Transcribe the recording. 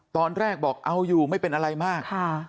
ตอนแรกบอกเอาอยู่ไม่เป็นอะไรมาก